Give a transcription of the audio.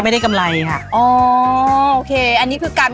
ได้เลยค่ะ